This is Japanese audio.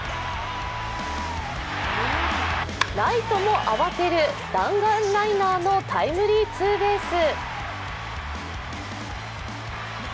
ライトも慌てる弾丸ライナーのタイムリーツーベース。